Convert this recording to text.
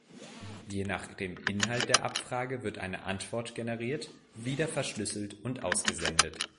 Je nach dem Inhalt der Abfrage wird eine Antwort generiert, wieder verschlüsselt und ausgesendet.